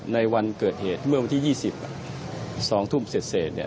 ในวันเกิดเหตุเมื่อวันที่๒๐ธนาที๒ทุ่มเสร็จ